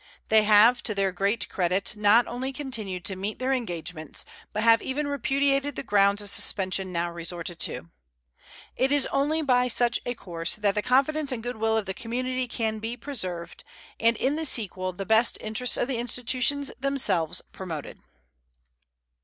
They have, to their great credit, not only continued to meet their engagements, but have even repudiated the grounds of suspension now resorted to. It is only by such a course that the confidence and good will of the community can be preserved, and in the sequel the best interests of the institutions themselves promoted.